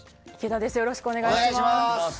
よろしくお願いします。